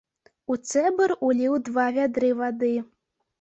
У цэбар уліў два вядры вады.